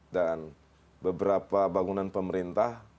dan beberapa bangunan pemerintah